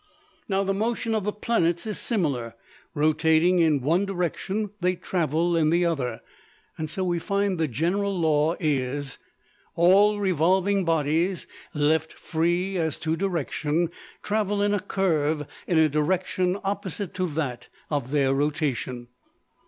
Now, the motion of the planets is similar: rotating in one direction, they travel in the other. So we find the general law is, _All revolving bodies, left free as to direction, travel in a curve in a direction opposite to that of their rotation.